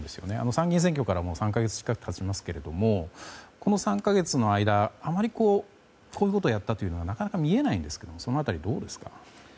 参議院選挙から、もう３か月近く経ちますけれどもこの３か月の間あまりこういうことをやったというのはなかなか見えないんですがその辺り、どうですか。